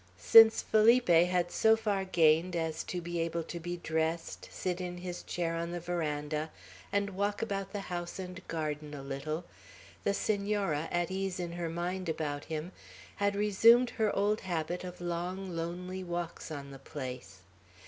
Since Felipe had so far gained as to be able to be dressed, sit in his chair on the veranda, and walk about the house and garden a little, the Senora, at ease in her mind about him, had resumed her old habit of long, lonely walks on the place.